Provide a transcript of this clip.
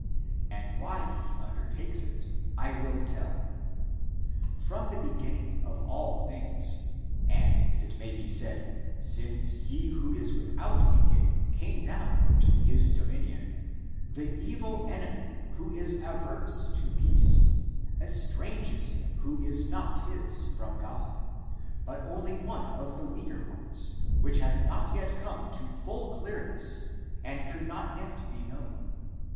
And why he undertakes it, I will tell : from the beginning of all things, and, if it may be said, since he who is with out beginning came down into his dominion, the evil enemy who is averse to peace, estranges him who is not his (from God), but only one of the weaker ones, which has not yet come to full clear ness and could not yet be known.